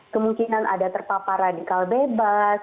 kemungkinan ada terpapar radikal bebas